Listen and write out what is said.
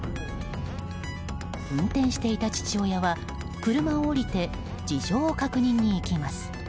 運転していた父親は車を降りて事情を確認に行きます。